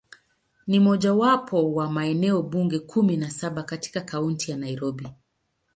Ni mojawapo wa maeneo bunge kumi na saba katika Kaunti ya Nairobi.